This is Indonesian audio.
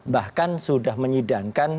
bahkan sudah menyidangkan